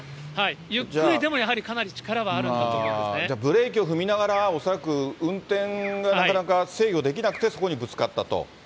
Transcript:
ゆっくりでもやはりかなり力はあじゃあ、ブレーキを踏みながら、恐らく運転がなかなか制御できなくてそこにぶつかったと。